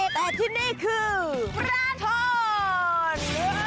แต่ที่นี่คือราทอน